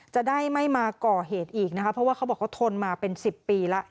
จะได้ไม่มาก่อเหตุอีกนะคะเพราะว่าเขาบอกเขาทนมาเป็น๑๐ปีแล้ว